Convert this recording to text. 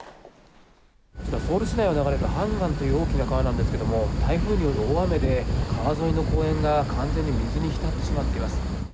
こちらソウル市内を流れるハンガンという大きな川ですが、台風による大雨で川沿いの公園が完全に水に浸ってしまっています。